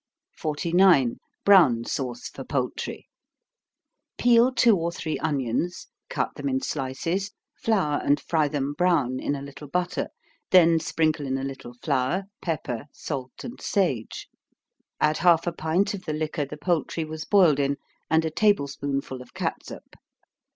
49. Brown Sauce for Poultry. Peel two or three onions, cut them in slices, flour and fry them brown, in a little butter then sprinkle in a little flour, pepper, salt, and sage add half a pint of the liquor the poultry was boiled in, and a table spoonful of catsup.